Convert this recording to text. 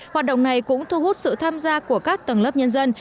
hoạt động này cũng thu hút sự tham gia của các tầng lớp nhân dân